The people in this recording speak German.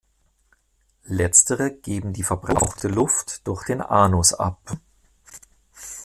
Letztere geben die verbrauchte Luft durch den Anus ab.